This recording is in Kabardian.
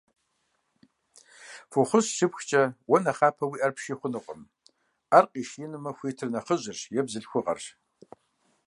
Фӏэхъус щыпхкӏэ уэ нэхъапэ уи ӏэр пший хъунукъым, ӏэр къишиинумэ хуитыр нэхъыжьырщ е бзылъхугъэрщ.